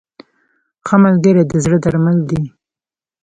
• ښه ملګری د زړه درمل دی.